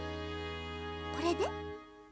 これで？